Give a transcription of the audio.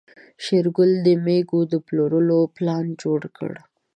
شېرګل د مېږو د پلورلو پلان جوړ کړ.